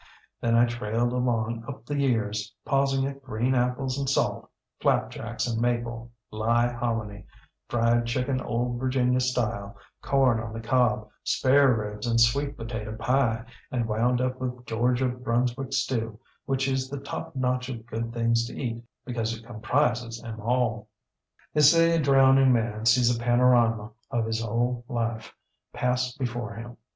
Then I trailed along up the years, pausing at green apples and salt, flapjacks and maple, lye hominy, fried chicken Old Virginia style, corn on the cob, spareribs and sweet potato pie, and wound up with Georgia Brunswick stew, which is the top notch of good things to eat, because it comprises ŌĆÖem all. ŌĆ£They say a drowning man sees a panorama of his whole life pass before him.